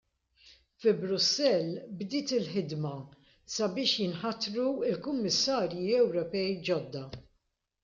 Fi Brussell bdiet il-ħidma sabiex jinħatru l-Kummissarji Ewropej ġodda.